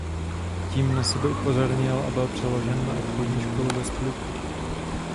Tím na sebe upozornil a byl přeložen na obchodní školu ve Splitu.